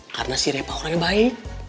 karena si repa orangnya bayi